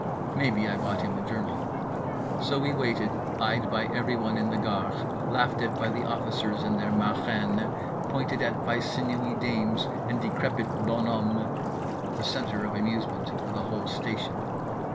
Maybe I bought him a journal. So we waited, eyed by everyone in the Gare, laughed at by the officers and their marraines, pointed at by sinewy dames and decrepit bonhommes—the centre of amusement for the whole station.